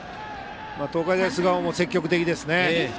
東海大菅生も積極的ですね。